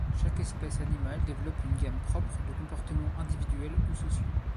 Chaque espèce animale développe une gamme propre de comportements individuels ou sociaux.